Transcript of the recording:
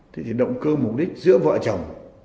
thế thì động cơ mục đích giữa vợ chồng